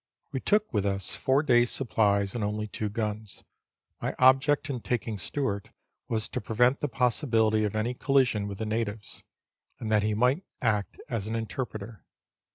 We took with us four days' supplies and only two guns. My object in taking Stewart was to prevent the possibility of any collision with the natives, and that he might act as an interpreter.